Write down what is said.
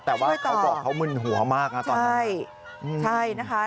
แต่ว่าเขาบอกว่ามึนหัวมากนะตอนนั้นช่วยต่อใช่ใช่นะคะ